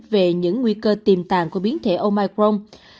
về những nguy cơ tiềm tàng của biến thể omicron